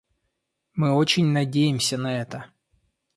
Мы очень надеемся на это.